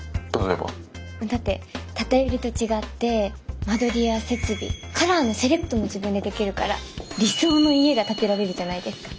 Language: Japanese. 例えば？だって建て売りと違って間取りや設備カラーのセレクトも自分でできるから理想の家が建てられるじゃないですか！